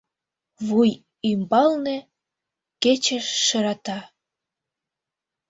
Вуй ӱмбалне кече шырата.